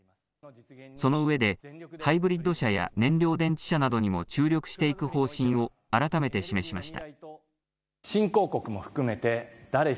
その上でハイブリッド車や燃料電池車などにも注力していく方針を改めて示しました。